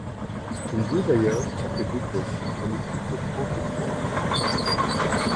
Il joue d'ailleurs, à cette époque, en équipe de France espoirs.